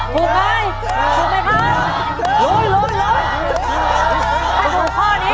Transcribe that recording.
ถูกขอ